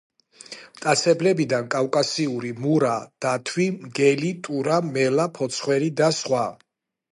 მტაცებლებიდან კავკასიური მურა დათვი, მგელი, ტურა, მელა, ფოცხვერი და სხვა.